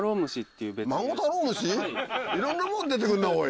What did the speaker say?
いろんなもの出て来るなおい。